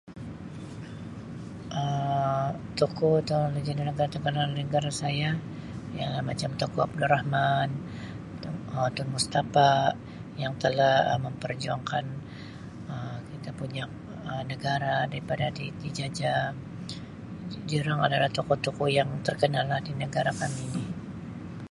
Um Tokoh atau lagenda [unintelligible] yang terkenal di negara saya ialah macam Tunku Abdul Rahman, Tun Um Tun Mustapa yang telah memperjuangkan Um kita punya Um negara daripada dijajah diorang adalah tokok-tokoh yang terkenal lah di negara kami ni.